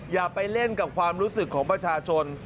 อย่าไปเล่นกับความรู้สึกของประชาชน